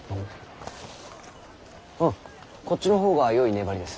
こっちの方がよい粘りです。